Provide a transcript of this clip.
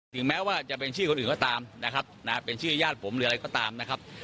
ถึงแม้ว่าจะเป็นชื่อคนอื่นก็ตามนะครับเป็นชื่อญาติผมหรืออะไรก็ตามนะครับ